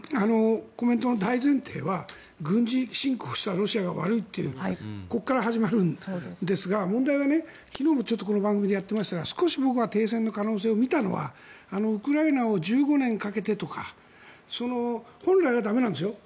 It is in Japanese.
コメントの大前提は軍事侵攻したロシアが悪いというここから始まるんですが問題は、昨日もちょっとこの番組でやっていたんですが少し僕は停戦の可能性を見たのはウクライナを１５年かけてとか本来は駄目なんですよ。